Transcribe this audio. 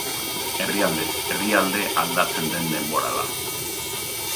Herrialdez herrialde aldatzen den denbora da.